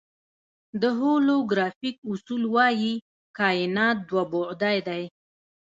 د هولوګرافیک اصول وایي کائنات دوه بعدی دی.